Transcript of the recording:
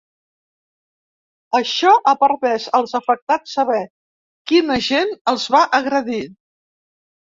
Això ha permès als afectats saber quin agent els va agredir.